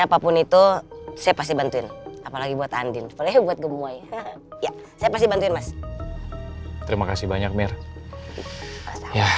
apapun itu saya pasti bantuin apalagi buat andien saya pasti bantuin mas terima kasih banyak mir ya